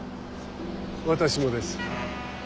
私もです。